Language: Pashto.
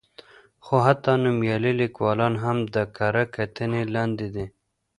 خو حتی نومیالي لیکوالان هم د کره کتنې لاندې دي.